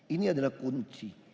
ini adalah kunci